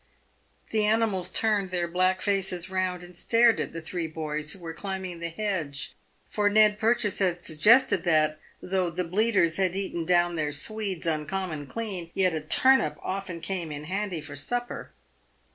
The animals turned their black faces round, and stared at the three boys who were climbing the hedge, for Ned Purchase had suggested that, though the " bleaters had eaten down their swedes uncommon clean, yet a turnip often came in handy for supper."